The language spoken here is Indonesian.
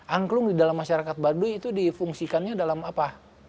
angklung di dalam masyarakat baduy itu difungsikannya dalam apa